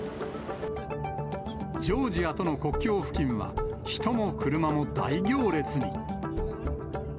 ジョージアとの国境付近は、人も車も大行列に。